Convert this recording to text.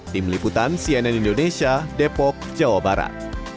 tim liputan cnn indonesia depok jawa barat